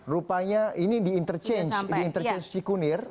rupanya ini di interchange di interchange cikunir